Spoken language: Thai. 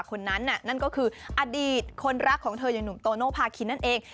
คนนั้นน่ะนั่นก็คืออดีตคนรักของเธออย่างหนุ่มโตโนภาคินนั่นเอง